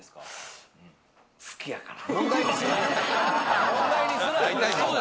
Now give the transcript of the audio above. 好きやから。